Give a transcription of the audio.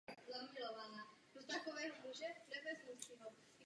Podařilo se jim získat spolupracovníky a vybudovat mrtvou schránku.